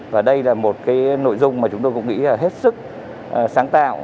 và đây là một cái nội dung mà chúng tôi cũng nghĩ là hết sức sáng tạo